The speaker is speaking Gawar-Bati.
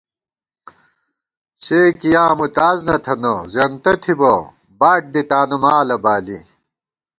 سےکِیاں مُوتاز نہ تھنہ، زېنتہ تھِبہ باڈ دی تانُومالہ بالی